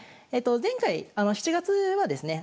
前回７月はですね